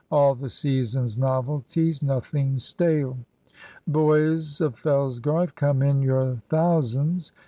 All the season's novelties. Nothing stale. Boys of Fellsgarth Come in your thousands!